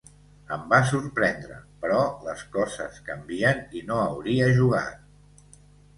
Em va sorprendre, però les coses canvien i no hauria jugat.